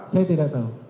saya tidak tahu